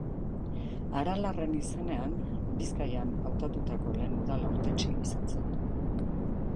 Aralarren izenean Bizkaian hautatutako lehen udal hautetsia izan zen.